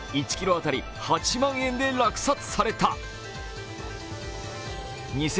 １ｋｇ当たり、８万円で落札された。